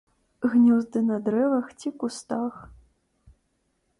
Гнёзды на дрэвах ці кустах.